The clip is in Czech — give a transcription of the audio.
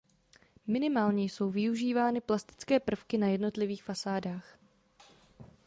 Minimálně jsou využívány plastické prvky na jednotlivých fasádách.